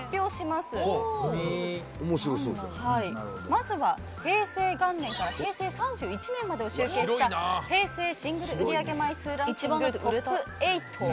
まずは平成元年から平成３１年までを集計した平成シングル売り上げ枚数ランキングトップ８を。